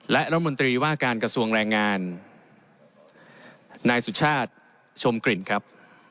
และรัฐมนตรีว่าการกระทรวงแรงงานนายสุชาติชมกลิ่นครับ